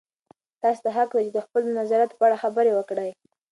تاسې ته حق دی چې د خپلو نظریاتو په اړه خبرې وکړئ.